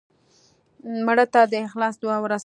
مړه ته د اخلاص دعا ورسوې